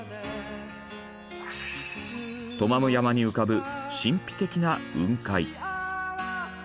トマム山に浮かぶ神秘的な雲海。